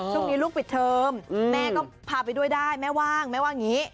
ช่วงนี้ลูกปิดเทอมแม่ก็พาไปด้วยได้แม่ว่างแม่ว่างงี้